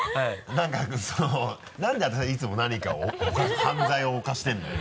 なんで私はいつも何かを犯罪を犯してるんだよ。